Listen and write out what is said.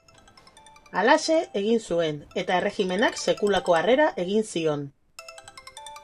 Halaxe egin zuen, eta erregimenak sekulako harrera egin zion.